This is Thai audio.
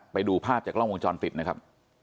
ไปดูภาพจากกล้องวงจรปิดนะครับ